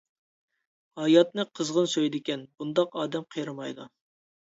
ھاياتنى قىزغىن سۆيىدىكەن، بۇنداق ئادەم قېرىمايدۇ.